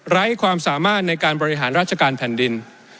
ความสามารถในการบริหารราชการแผ่นดิน